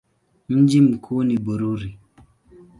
Mji mkuu ni Bururi.